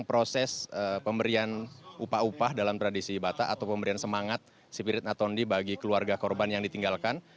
dan sedang proses pemberian upah upah dalam tradisi ibatat atau pemberian semangat spirit natondi bagi keluarga korban yang ditinggalkan